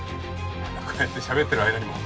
「こうやってしゃべってる間にも」